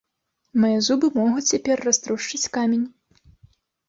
Мае зубы могуць цяпер раструшчыць камень.